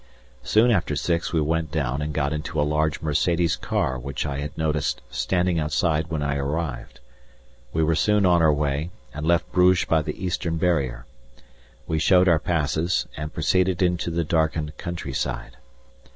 Soon after six we went down and got into a large Mercédès car which I had noticed standing outside when I arrived. We were soon on our way, and left Bruges by the Eastern barrier; we showed our passes and proceeded into the darkened country side.